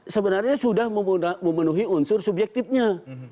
sebenarnya sudah memenuhi unsur subjektifnya